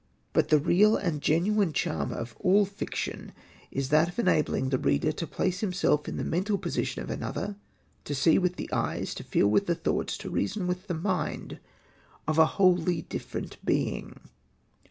But the real and genuine charm ^of all fiction is that of enabling the reader to place himself in the mental position of another, to see with the eyes, to feel with the thoughts, to reason with the mind, of a wholly different being.